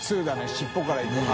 尻尾からいく派。